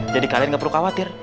jadi kalian gak perlu khawatir